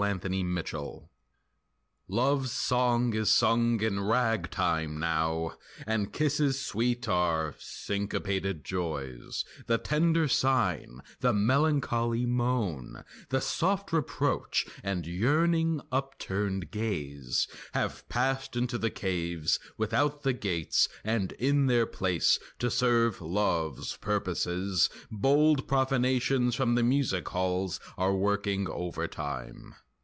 (Curtain) IL PENSEROSO Love's song is sung in ragtime now And kisses sweet are syncopated joys, The tender sign, the melancholy moan, The soft reproach and yearning up turned gaze Have passed into the caves without the gates And in their place, to serve love's purposes, Bold profanations from the music halls Are working overtime.